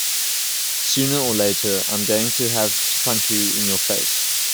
Sooner or later I'm going to have to punch you in your face.